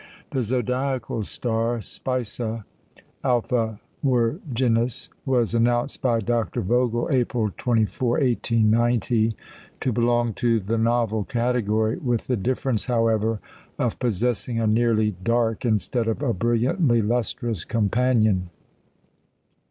The zodiacal star, Spica (Alpha Virginis), was announced by Dr. Vogel, April 24, 1890, to belong to the novel category, with the difference, however, of possessing a nearly dark, instead of a brilliantly lustrous companion.